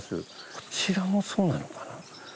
こちらもそうなのかな？